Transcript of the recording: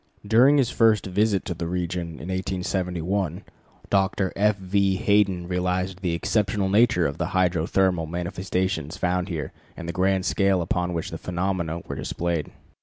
During his first visit to the region in 1871, Dr. F. V. Hayden realized the exceptional nature of the hydrothermal manifestations found here and the grand scale upon which the phenomena were displayed.